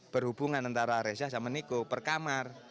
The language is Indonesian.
berhubungan antara reza sama niko per kamar